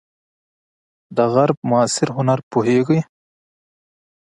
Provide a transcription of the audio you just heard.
د غرب معاصر هنر پوهیږئ؟